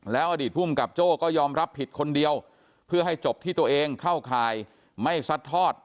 แล้วอดีตภูมิกับโจ้ก็ยอมรับผิดคนเดียวเพื่อให้จบที่ตัวเองเข้าข่ายไม่ซัดทอด